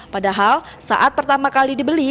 padahal saat pertama kali dibeli